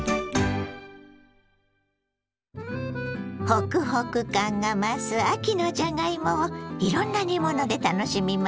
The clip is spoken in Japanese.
ホクホク感が増す秋のじゃがいもをいろんな煮物で楽しみましょ。